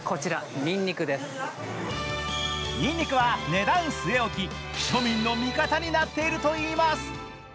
にんにくは値段据え置き、庶民の味方になっているといいます。